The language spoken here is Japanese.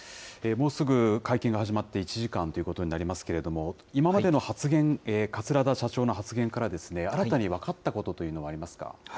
もうすぐ会見が始まって１時間ということになりますけれども、今までの発言、桂田社長の発言から、新たに分かったことというのはありますか。